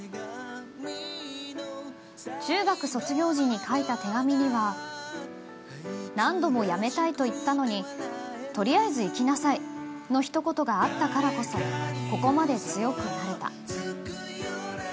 中学卒業時に書いた手紙には何度もやめたいといったのにとりあえず行きなさいのひと言があったからこそここまで強くなれた。